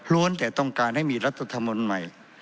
แต่ต้องการให้มีรัฐธรรมนูลใหม่